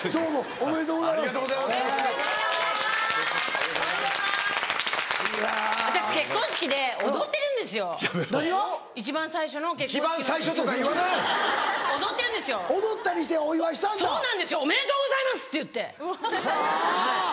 「おめでとうございます‼」って言ってはい。